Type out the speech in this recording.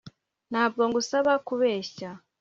Ntabwo ngusaba kubeshya